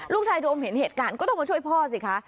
ลูกชายโดมเห็นเหตุการณ์ก็ต้องกำลังช่วยพ่อสิคะ